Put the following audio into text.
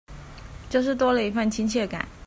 就是多了一分親切感